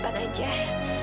iya kan ayah